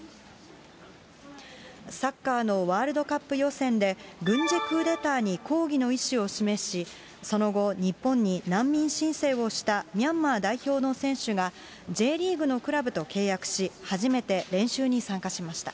サッカーのワールドカップ予選で、軍事クーデターに抗議の意思を示し、その後、日本に難民申請をしたミャンマー代表の選手が、Ｊリーグのクラブと契約し、初めて練習に参加しました。